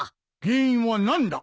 原因は何だ？